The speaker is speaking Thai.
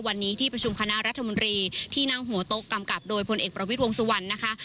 วันนี้ที่ประชุมคณะรัฐมนตรีที่นั่งหัวโต๊ะกำกับโดยพลเอกประวิทย์วงสุวรรณนะคะ